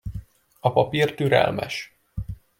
A papír türelmes.